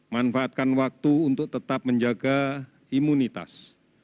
manfaatkan waktu untuk tetap menjaga imunitas